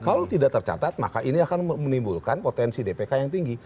kalau tidak tercatat maka ini akan menimbulkan potensi dpk yang tinggi